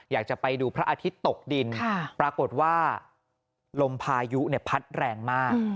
อยากจะไปดูพระอาทิตย์ตกดินปรากฏว่าลมพายุพัดแรงมาก